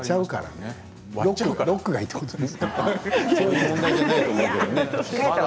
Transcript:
ロックがいいということですか？